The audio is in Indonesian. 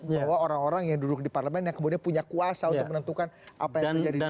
bahwa orang orang yang duduk di parlemen yang kemudian punya kuasa untuk menentukan apa yang terjadi di depan